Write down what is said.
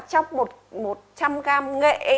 trong một trăm linh gram nghệ